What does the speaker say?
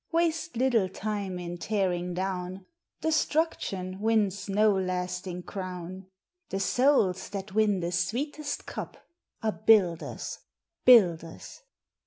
Waste little time in tearing down Destruction wins no lasting Crown The Souls that win the sweetest cup Are Builders! Builders